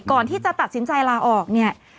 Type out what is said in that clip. ก่อนที่จะตัดสินใจลาออกเนี่ย